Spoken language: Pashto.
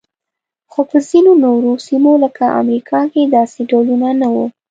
خو په ځینو نورو سیمو لکه امریکا کې داسې ډولونه نه وو.